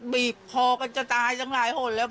บีบคอกันจะตายตั้งหลายหนแล้ว